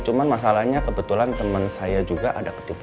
cuman masalahnya kebetulan temen saya juga ada ketipu